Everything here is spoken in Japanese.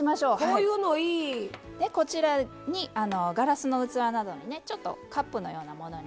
こちらにガラスの器などにねちょっとカップのようなものに。